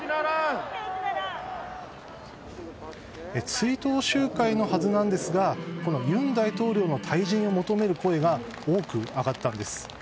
追悼集会のはずなんですが尹大統領の退陣を求める声が多く上がったんです。